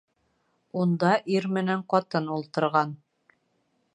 Унда ир менән ҡатын ултырған.